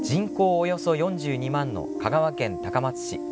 およそ４２万の香川県高松市。